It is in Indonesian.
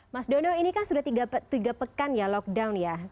mas dono ini kan sudah tiga pekan ya lockdown ya